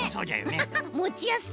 アハハッもちやすそう。